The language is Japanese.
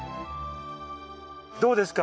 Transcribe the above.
どうですか？